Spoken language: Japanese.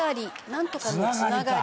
なんとかのつながり。